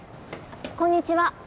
こんにちは。